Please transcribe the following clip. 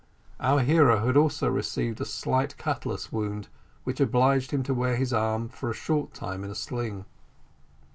Our hero had also received a slight cutlass wound, which obliged him to wear his arm, for a short time, in a sling.